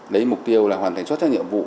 lấy mục tiêu là hoàn thành suất các nhiệm vụ